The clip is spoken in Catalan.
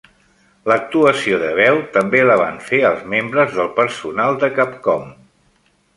L'actuació de veu també la van fer els membres del personal de Capcom.